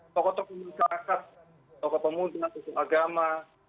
tokoh tokoh masyarakat tokoh pemuda tokoh agama